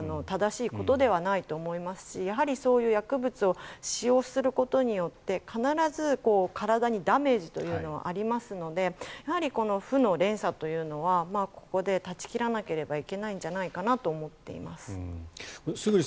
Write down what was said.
正しいことではないと思いますしそういう薬物を使用することによって必ず体にダメージというのはありますので負の連鎖というのはここで断ち切らなければいけないんじゃないかなと思っています。